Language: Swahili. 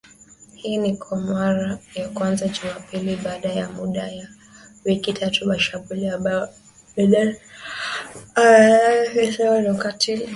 Hii ni kwa mara ya kwanza Jumapili baada ya muda wa wiki tatu, mashambulio ambayo Biden amelaani akisema "ni ukatili unaoongezeka".